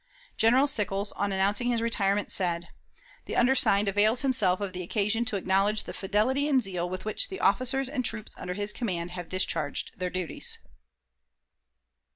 General Sickles, on announcing his retirement, said: "The undersigned avails himself of the occasion to acknowledge the fidelity and zeal with which the officers and troops under his command have discharged their duties."